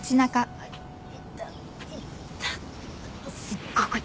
すっごく。